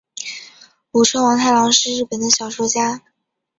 舞城王太郎是日本的小说家。